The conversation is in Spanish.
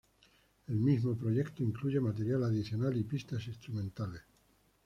El mismo proyecto incluye material adicional y pistas instrumentales.